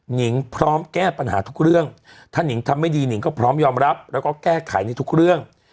นิงพร้อมแก้ปัญหาทุกเรื่องถ้านิงทำไม่ดีหนิงก็พร้อมยอมรับแล้วก็แก้ไขในทุกเรื่อง